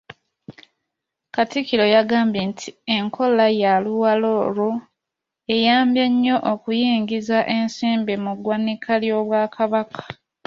Katikkiro yagambye nti enkola ya ‘luwalo lwo’ eyambye nnyo okuyingiza ensimbi mu ggwanika ly’Obwakabaka.